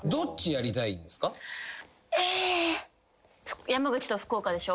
え山口と福岡でしょ。